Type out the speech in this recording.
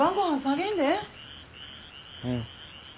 うん。